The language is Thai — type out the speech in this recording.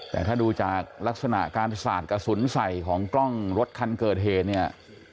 แต่ถ้าดูจากลักษณะการสาดกระสุนใส่ของกล้องรถคันเกิดเหตุเนี่ย